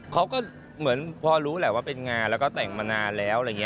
เขาก็เหมือนพอรู้แหละว่าเป็นงานแล้วก็แต่งมานานแล้ว